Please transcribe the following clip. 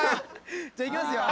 「じゃあいきますよ」